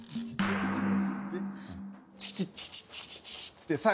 チキチッチキチッチキチッつってさあ